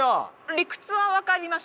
理屈は分かりました。